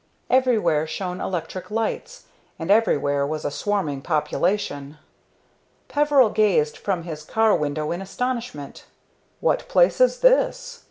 Everywhere shone electric lights, and everywhere was a swarming population. Peveril gazed from his car window in astonishment. "What place is this?"